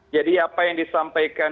jadi apa yang disampaikan